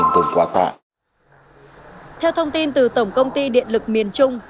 theo thông tin từ tổng công ty điện lực miền trung